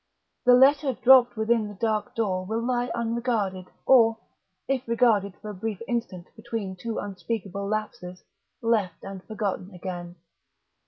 The letter dropped within the dark door will lie unregarded, or, if regarded for a brief instant between two unspeakable lapses, left and forgotten again.